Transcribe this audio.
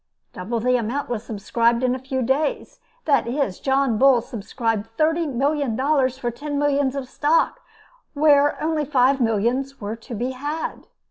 Double the amount was subscribed in a few days; that is, John Bull subscribed thirty million dollars for ten millions of stock, where only five millions were to be had.